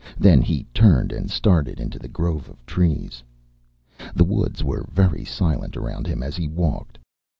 Then he turned and started into the grove of trees. The woods were very silent around him as he walked.